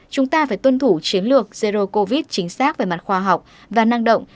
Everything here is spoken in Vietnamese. chúng ta phải tuân thủ chiến lược zero covid chính xác về mặt khoa học và năng động